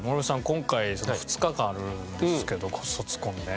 今回２日間あるんですけど卒コンね。